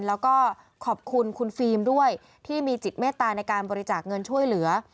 แล้วก็ขอบคุณคุณฟิล์มด้วยที่มีจิตเมตตาในการบริจาคเงินช่วยเหลือ